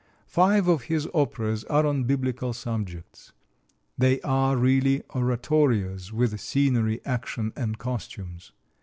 Five of his operas are on Biblical subjects. They are really oratorios with scenery, action and costumes.